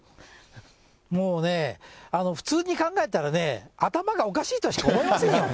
もうね、普通に考えたらね、頭がおかしいとしか思えませんよ。